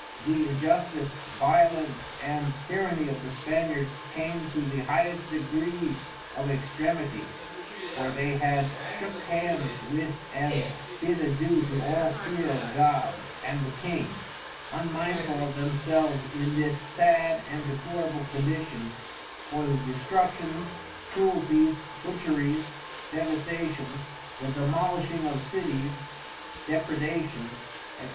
the Injustice, Violence and Tyranny of the Spaniards came to the highest degree of extremety: for they had shook hands with and bid adieu to all fear of God and the King, unmindful of themselves in this sad and deplorable condition, for the Destructions, Cruelties, Butcheries, Devastations, the Domolishing of Cities, Depradations, _&c.